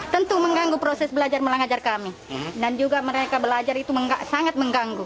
tentu mengganggu proses belajar mengajar kami dan juga mereka belajar itu sangat mengganggu